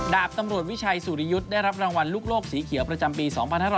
ดาบตำรวจวิชัยสุริยุทธ์ได้รับรางวัลลูกโลกสีเขียวประจำปี๒๕๖๐